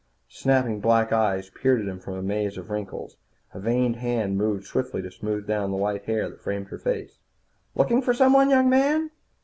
Snapping black eyes peered at him from a maze of wrinkles. A veined hand moved swiftly to smooth down the white hair that framed her face. "Looking for someone, young man?"